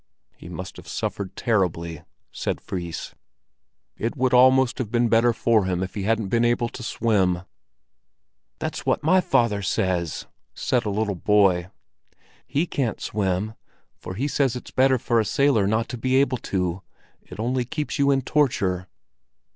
"He must have suffered terribly," said Fris. "It would almost have been better for him if he hadn't been able to swim." "That's what my father says!" said a little boy. "He can't swim, for he says it's better for a sailor not to be able to; it only keeps you in torture."